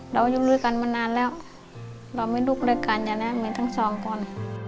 เรายุ่งรีบกันตั้งนานแล้วเราไม่ลูกด้วยกันอ่ะนะแต่ตั้งสองคน